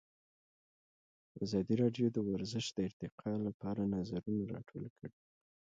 ازادي راډیو د ورزش د ارتقا لپاره نظرونه راټول کړي.